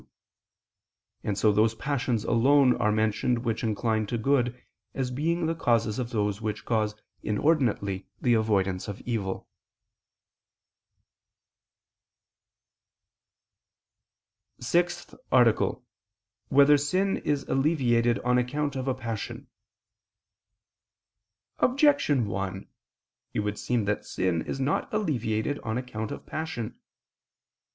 2); and so those passions alone are mentioned which incline to good, as being the causes of those which cause inordinately the avoidance of evil. ________________________ SIXTH ARTICLE [I II, Q. 77, Art. 6] Whether Sin Is Alleviated on Account of a Passion? Objection 1: It would seem that sin is not alleviated on account of passion.